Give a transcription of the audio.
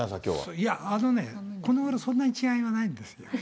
いや、あのね、このごろ、そんなに違いはないんですよ。